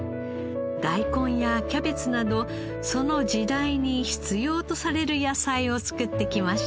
大根やキャベツなどその時代に必要とされる野菜を作ってきました。